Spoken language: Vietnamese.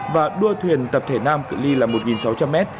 và đua thuyền tập thể nam cự li là một sáu trăm linh m